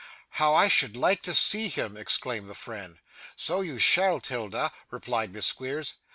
'How I should like to see him!' exclaimed the friend. 'So you shall, 'Tilda,' replied Miss Squeers.